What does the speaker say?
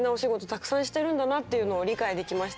たくさんしてるんだなっていうのを理解できました。